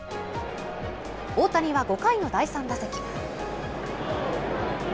大谷は５回の第３打席。